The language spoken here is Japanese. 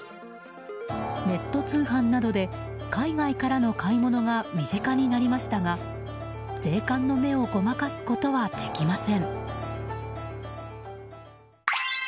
ネット通販などで海外からの買い物が身近になりましたが税関の目をごまかすことはできません。